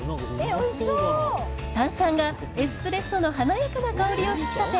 炭酸がエスプレッソの華やかな香りを引き立て